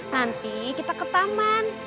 nanti kita ke taman